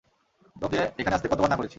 তোকে এখানে আসতে কতবার না করেছি?